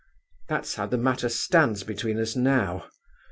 That's how the matter stands between us now.